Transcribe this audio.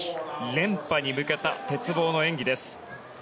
連覇に向けた鉄棒の演技です。